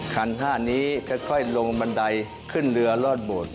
๕นี้ค่อยลงบันไดขึ้นเรือรอดโบสถ์